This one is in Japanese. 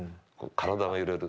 体が揺れる。